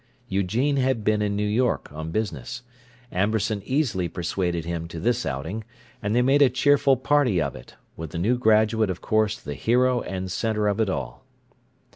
Eugene had been in New York, on business; Amberson easily persuaded him to this outing; and they made a cheerful party of it, with the new graduate of course the hero and center of it all.